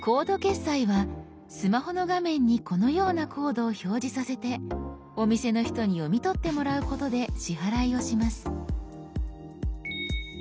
スマホの画面にこのようなコードを表示させてお店の人に読み取ってもらうことで支払いをします。